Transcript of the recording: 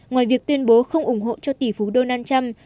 ngoài việc tuyên bố không ủng hộ cho tỷ phú donald trump